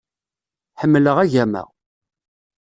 Ḥemmleɣ agama.